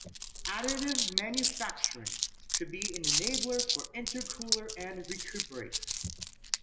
Additive manufacturing could be an enabler for intercooler and recuperators.